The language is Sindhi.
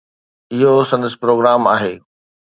اهو سندس پروگرام آهي.